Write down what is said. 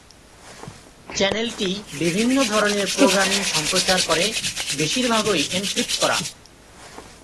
চ্যানেলটি বিভিন্ন ধরণের প্রোগ্রামিং সম্প্রচার করে, বেশিরভাগই এনক্রিপ্ট করা।